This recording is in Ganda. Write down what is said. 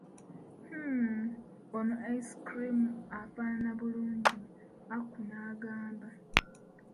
Mmmm, ono ice cream afaanana bulungi, Aku n'agamba.